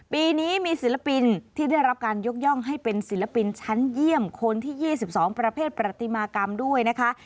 ปีนี้มีศิลปินที่ได้รับการยกย่องให้เป็นศิลปินชั้นเยี่ยมคนที่๒๒ประเภทประติมากรรมด้วยนะคะ